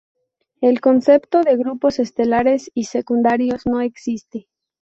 El concepto de grupos estelares y secundarios no existe.